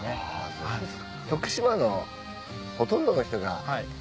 そうです。